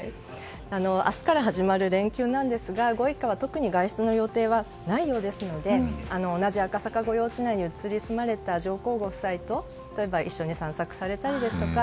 明日から始まる連休なんですがご一家は特に外出の予定はないようですので同じ赤坂御用地内に移り住まれた上皇ご夫妻と例えば一緒に散策されたりですとか